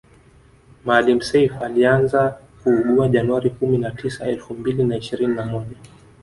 Maalim Self alianza kuugua january kumi na tisa elfu mbili na ishirini na moja